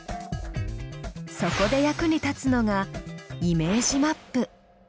そこで役に立つのがイメージマップ。